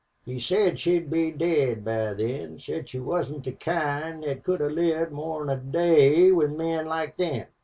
He said she'd be dead by then said she wasn't the kind thet could have lived more 'n a day with men like them.